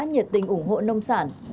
nhiệt tình ủng hộ nông sản